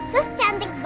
sus cantik banget